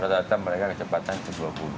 rata rata mereka kecepatan itu dua puluh